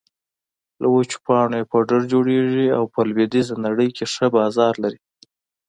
له وچو پاڼو يې پوډر جوړېږي او په لویدېزه نړۍ کې ښه بازار لري